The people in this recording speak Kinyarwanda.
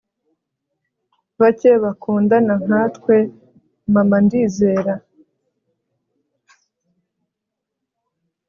bake bakundana nkatwe, mama, ndizera